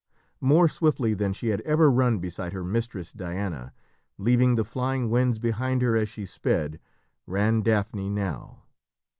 More swiftly than she had ever run beside her mistress Diana, leaving the flying winds behind her as she sped, ran Daphne now.